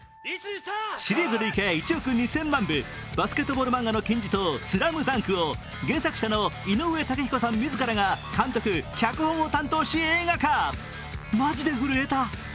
シリーズ累計１億２０００万部、バスケットボール漫画の金字塔「ＳＬＡＭＤＵＮＫ」を原作者の井上雄彦さん自らが監督・脚本を担当し、映画化。